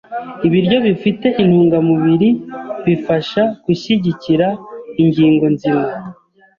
Ibiryo bifite intungamubiri bifasha gushyigikira ingingo nzima.